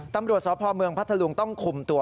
การสอบปราวเมืองพัทรลุงต้องคุมตัว